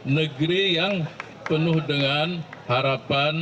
negeri yang penuh dengan harapan